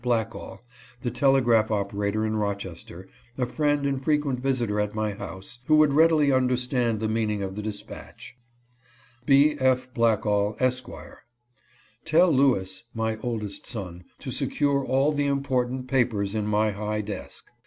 Blackall, the telegraph operator in Rochester, a friend and frequent visitor at my house, who would readily understand the meaning of the dispatch : "B. F. Blackall, Esq.: " Tell Lewis (my oldest son) to secure all the important papers in my high desk."